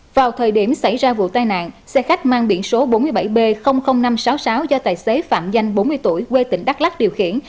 vào thời điểm xảy ra vụ tai nạn xe khách mang biển số bốn mươi bảy b năm trăm sáu mươi sáu do tài xế phạm danh bốn mươi tuổi quê tỉnh đắk lắc điều khiển